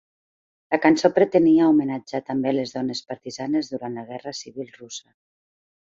La cançó pretenia homenatjar també les dones partisanes durant la guerra civil russa.